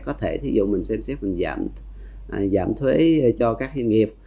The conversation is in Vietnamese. có thể thí dụ mình xem xét mình giảm thuế cho các doanh nghiệp